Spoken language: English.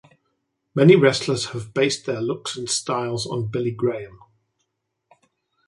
Many wrestlers have based their looks and styles on Billy Graham.